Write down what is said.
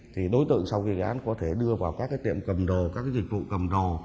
thì đối tượng sau kỳ án có thể đưa vào các cái tiệm cầm đồ các cái dịch vụ cầm đồ